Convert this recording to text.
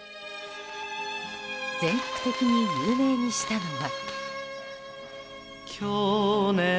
全国的に有名にしたのが。